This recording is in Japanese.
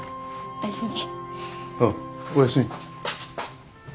おやすみ。